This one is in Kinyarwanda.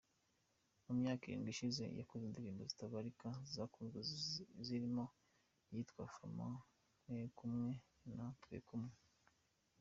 Mu myaka irindwi ishize yakoze indirimbo zitabarika zakunzwe zirimo iyitwa “Farmer”, “Mwekumwe” na “Twekumwe”.